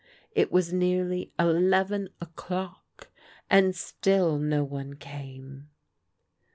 It was nearly eleven o'clock, and still no one came.